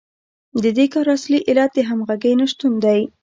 د دې کار اصلي علت د همغږۍ نشتون دی